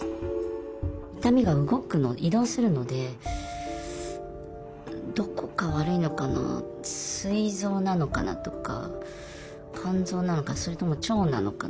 痛みが動く移動するのですい臓なのかなとか肝臓なのかそれとも腸なのかなとか。